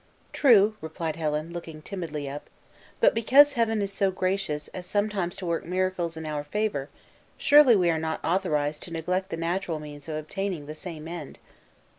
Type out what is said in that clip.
"True," replied Helen, looking timidly up: "but, because Heaven is so gracious as sometimes to work miracles in our favor, surely we are not authorized to neglect the natural means of obtaining the same end?"